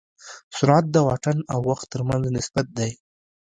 سرعت د واټن او وخت تر منځ نسبت دی.